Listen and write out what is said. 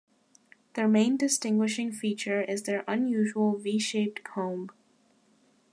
Their main distinguishing feature is their unusual V-shaped comb.